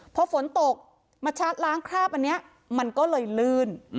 พอฝนตกมาชาร์จล้างคราบอันนี้มันก็เลยลื่น